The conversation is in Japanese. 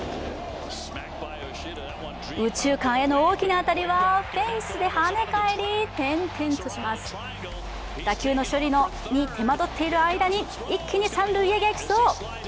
右中間への大きな当たりはフェンスで跳ね返り、転々とします打球の処理に手間取っている間に一気に三塁へ激走。